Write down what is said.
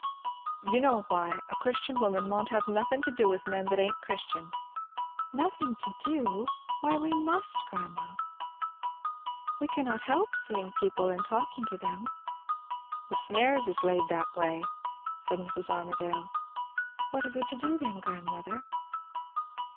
"You know why. A Christian woman maunt have nothin' to do with men that ain't Christian." "Nothing to do! Why, we must, grandma. We cannot help seeing people and talking to them." "The snares is laid that way," said Mrs. Armadale. "What are we to do, then, grandmother?"